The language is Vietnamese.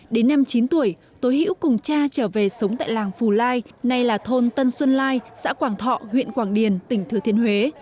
đến năm chín tuổi tố hữu cùng cha trở về sống tại làng phù lai nay là thôn tân xuân lai xã quảng thọ huyện quảng điền tỉnh thừa thiên huế